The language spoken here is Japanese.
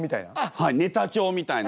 はいネタ帳みたいな。